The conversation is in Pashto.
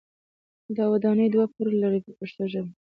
دا ودانۍ دوه پوړه لري په پښتو ژبه.